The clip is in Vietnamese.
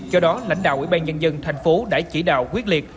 do đó lãnh đạo ủy ban nhân dân thành phố đã chỉ đạo quyết liệt